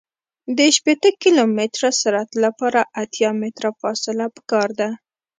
د شپیته کیلومتره سرعت لپاره اتیا متره فاصله پکار ده